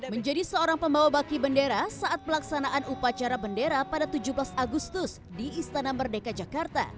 menjadi seorang pembawa baki bendera saat pelaksanaan upacara bendera pada tujuh belas agustus di istana merdeka jakarta